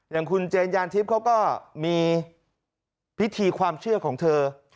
อย่างคุณเจนยานทิพย์เขาก็มีพิธีความเชื่อของเธอ